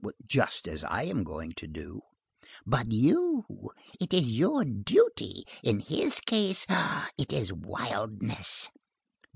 "Just as I am going to do." "But you—it is your duty; in his case, it is wildness."